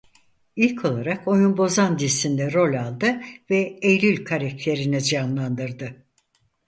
İlk olarak "Oyunbozan" dizisinde rol aldı ve "Eylül" karakterini canlandırdı.